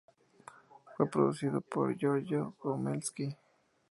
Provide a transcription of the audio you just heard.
Fue producido por Giorgio Gomelsky.